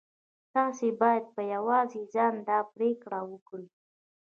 تاسې بايد په يوازې ځان دا پرېکړه وکړئ.